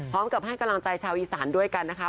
พร้อมกับให้กำลังใจชาวอีสานด้วยกันนะคะ